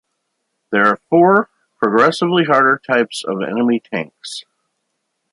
There are four progressively harder types of enemy tanks.